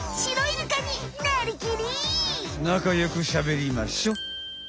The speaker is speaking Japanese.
なかよくしゃべりましょ。